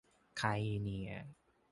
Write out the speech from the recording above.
ใครเนี่ย !